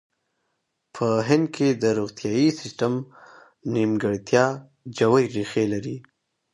په هند کې د روغتیايي سیستم نیمګړتیا ژورې ریښې لري.